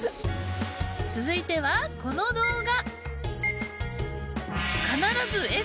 続いてはこの動画。